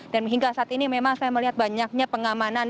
dan hingga saat ini memang saya melihat banyaknya pengamanan